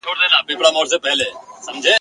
چي د ټولني واقعیتونو او د شاعراحساساتو ته !.